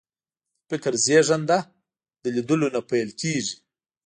د فکر زېږنده د لیدلو نه پیل کېږي